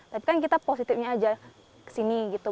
tapi kan kita positifnya aja kesini gitu